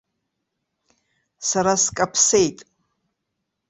Сара скаԥсеит.